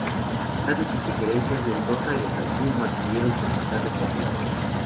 A pesar de sus diferencias Mendoza y Betancourt mantuvieron su amistad de por vida.